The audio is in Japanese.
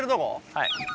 はい。